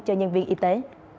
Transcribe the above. cho nhân viên y tế